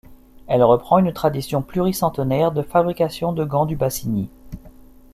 Elle reprend une tradition pluricentenaire de fabrication de gants du Bassigny.